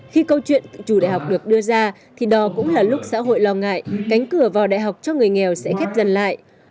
khi câu chuyện tự chủ đại học được đưa ra thì đó cũng là lúc xã hội lo ngại cánh cửa vào đại học cho người nghèo sẽ khép dần lại